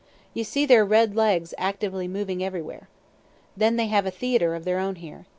You see their red legs actively moving everywhere. Then they have a theatre of their own here.